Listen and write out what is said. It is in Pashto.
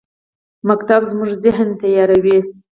ښوونځی زموږ ذهن تیاروي